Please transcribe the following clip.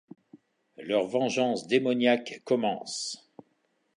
Leur vengeance démoniaque commence.